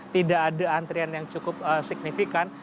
tidak ada antrian yang cukup signifikan